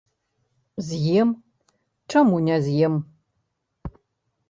З'ем, чаму не з'ем?